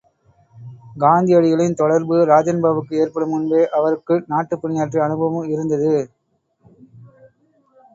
காந்தியடிகளின் தொடர்பு ராஜன்பாபுக்கு ஏற்படும் முன்பே, அவருக்கு நாட்டுப் பணியாற்றிய அனுபவம் இருந்தது.